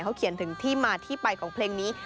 เขาเขียนถึงที่มาที่ไปของเพลงนี้